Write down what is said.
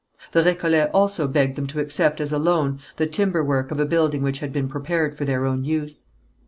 The Récollets also begged them to accept as a loan the timber work of a building which had been prepared for their own use.